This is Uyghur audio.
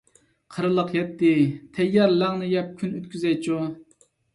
قىرىلىق يەتتى، تەييار «لەڭ»نى يەپ كۈن ئۆتكۈزەيچۇ!